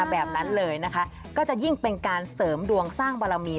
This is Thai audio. แบบนั้นเลยนะคะก็จะยิ่งเป็นการเสริมดวงสร้างบารมี